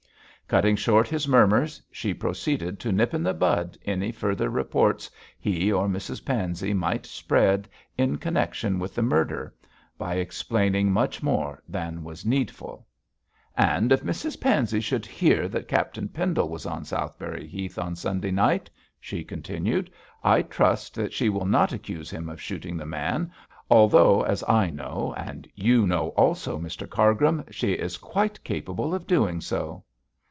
Cutting short his murmurs, she proceeded to nip in the bud any further reports he or Mrs Pansey might spread in connection with the murder, by explaining much more than was needful. 'And if Mrs Pansey should hear that Captain Pendle was on Southberry Heath on Sunday night,' she continued, 'I trust that she will not accuse him of shooting the man, although as I know, and you know also, Mr Cargrim, she is quite capable of doing so.'